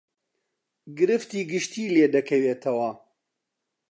گرفتی گشتی لێ دەکەوێتەوە